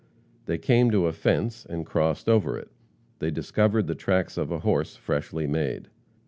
They came to a fence, and crossed over it. They discovered the tracks of a horse, freshly made.